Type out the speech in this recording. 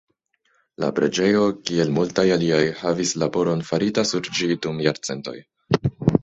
La preĝejo, kiel multaj aliaj, havis laboron farita sur ĝi dum jarcentoj.